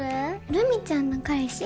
留美ちゃんの彼氏？